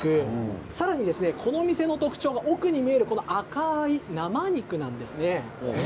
さらにこのお店の特徴は奥に見える赤い生肉です。